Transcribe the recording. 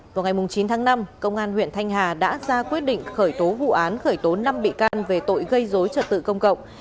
vào ngày chín tháng năm công an huyện thanh hà đã ra quyết định khởi tố vụ án khởi tố năm bị can về tội gây dối trật tự công cộng